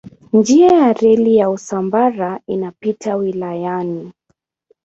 Njia ya reli ya Usambara inapita wilayani.